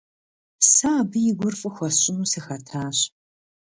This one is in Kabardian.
Сэ абы и гур фӀы хуэсщӀыну сыхэтащ.